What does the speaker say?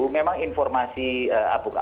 memang informasi abuk abuknya